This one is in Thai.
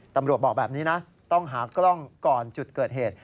บอกแบบนี้นะต้องหากล้องก่อนจุดเกิดเหตุ